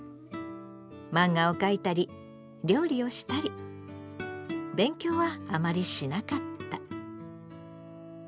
マンガを描いたり料理をしたり勉強はあまりしなかった。